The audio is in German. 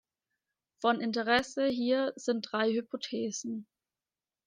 Von Interesse hier sind drei Hypothesen.